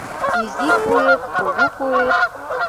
Изи куэт, кугу куэт